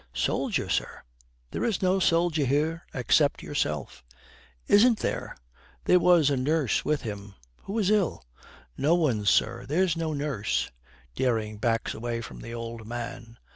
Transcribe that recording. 'Soldier, sir? There is no soldier here except yourself.' 'Isn't there? There was a nurse with him. Who is ill?' 'No one, sir. There's no nurse.' Dering backs away from the old man.